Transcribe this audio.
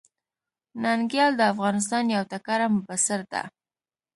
ننګيال د افغانستان يو تکړه مبصر ده.